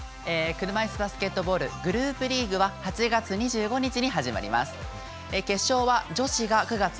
車いすバスケットボールグループリーグは８月２５日に始まります。